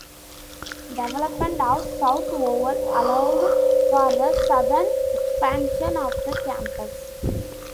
Development of South Oval allowed for the southern expansion of the campus.